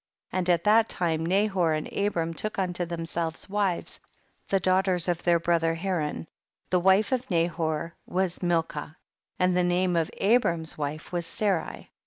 44. And at that time Nahor and Abram took unto themselves wives, the daughters of their brother Ha ran ; the wife of Nahor ivas Milca and the name of Abram's wife was 8arai.